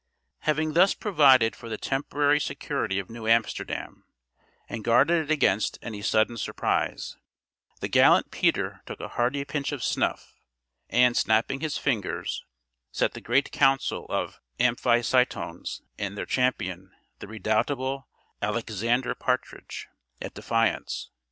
Having thus provided for the temporary security of New Amsterdam, and guarded it against any sudden surprise, the gallant Peter took a hearty pinch of snuff, and snapping his fingers, set the great council of Amphictyons and their champion, the redoubtable Alicxsander Partridg, at defiance.